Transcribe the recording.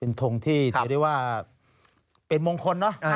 ทงที่ถือได้ว่าเป็นมงคลเนอะ